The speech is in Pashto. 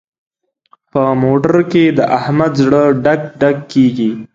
په موټر کې د احمد زړه ډک ډک کېږي.